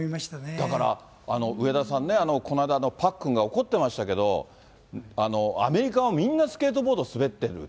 だから上田さんね、この間、パックンが怒ってましたけれども、アメリカはみんなスケートボード滑ってる。